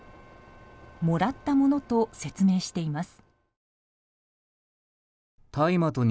もらったものと説明しています。